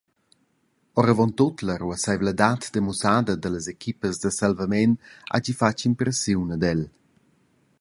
Oravontut la ruasseivladad demussada dallas equipas da salvament hagi fatg impressiun ad el.